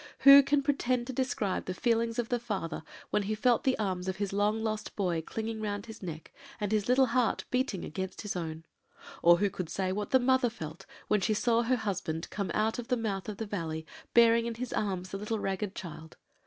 "Who can pretend to describe the feelings of the father when he felt the arms of his long lost boy clinging round his neck, and his little heart beating against his own? or who could say what the mother felt when she saw her husband come out from the mouth of the valley, bearing in his arms the little ragged child?